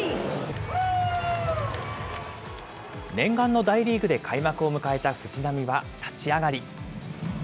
念願の大リーグで開幕を迎えた藤浪は立ち上がり。